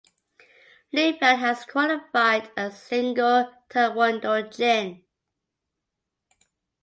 Libyan has qualified a single taekwondo jin.